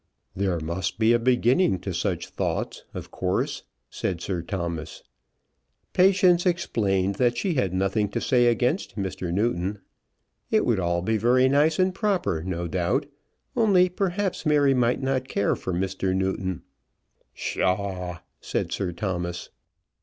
"There must be a beginning to such thoughts, of course," said Sir Thomas. Patience explained that she had nothing to say against Mr. Newton. It would all be very nice and proper, no doubt, only perhaps Mary might not care for Mr. Newton. "Psha!" said Sir Thomas.